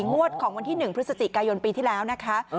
งวดของวันที่๑พฤศจิกายนปีที่แล้วนะคะ